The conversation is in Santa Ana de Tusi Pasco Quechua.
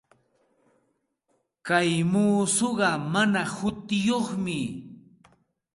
Kay muusuqa mana hutiyuqmi.